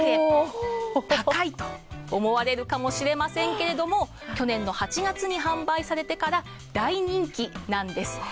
高いと思われるかもしれませんが去年の８月に販売されてから大人気なんです。